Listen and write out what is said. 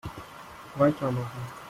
Weitermachen!